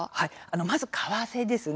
まずは為替です。